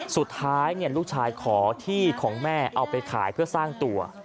สุดท้ายลูกชายขอที่ของแม่เอาไปขายเพื่อสร้างตัว